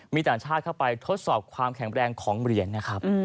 มีต่างชาติเข้าไปทดสอบความแข็งแรงของเหรียญนะครับ